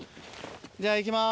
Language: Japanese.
じゃあ行きます。